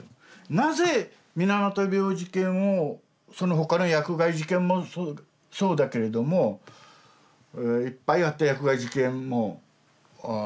なぜ水俣病事件をその他の薬害事件もそうだけれどもいっぱいあった薬害事件も。